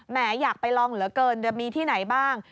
อยากไปลองเหลือเกินจะมีที่ไหนบ้าง